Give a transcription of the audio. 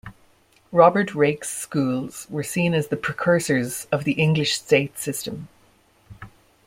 Robert Raikes's schools were seen as the precursors of the English state system.